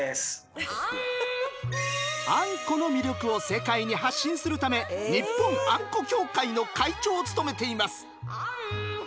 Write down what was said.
あんこの魅力を世界に発信するため日本あんこ協会の会長を務めています。